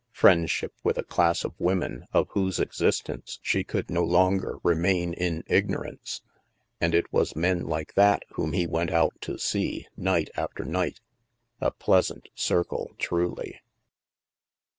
Friendship with a class of women of whose exis tence she could no longer remain in ignorance! And it was men like that whom he went out to see, night after night ! A pleasant circle, truly